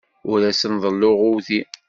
Ur asent-ḍelluɣ udi.